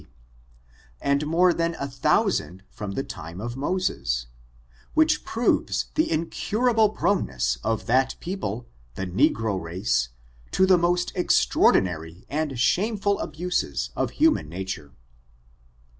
C, and more than a thousand from the time of Moses, which proves the incurable proneness of that people, the negro race, to the most extraordinary and shameful abuses of human nature.